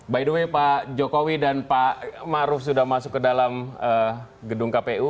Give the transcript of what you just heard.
by the way pak jokowi dan pak maruf sudah masuk ke dalam gedung kpu